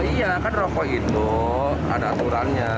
iya kan rokok itu ada aturannya